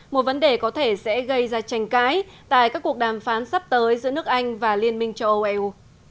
một vấn đề có thể sẽ gây ra tranh cãi tại các cuộc đàm phán sắp tới giữa nước anh và liên minh châu âu eu